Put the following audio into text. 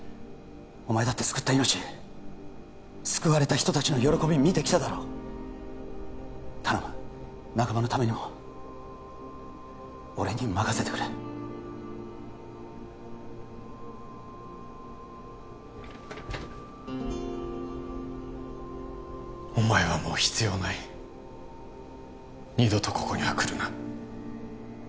お前だって救った命救われた人たちの喜び見てきただろ頼む仲間のためにも俺に任せてくれお前はもう必要ない二度とここには来るな